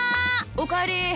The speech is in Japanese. おかえり。